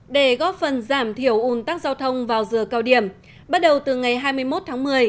để góp phần giảm thiểu ủn tắc giao thông vào giờ cao điểm bắt đầu từ ngày hai mươi một tháng một mươi